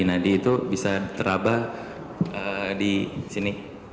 nadi itu bisa teraba di sini